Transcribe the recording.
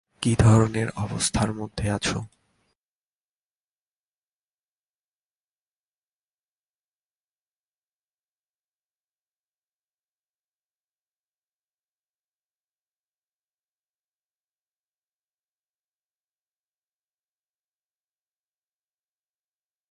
ইহাদের একটিও আমার নিজস্ব নয় শুধু মন্দগুলি ছাড়া।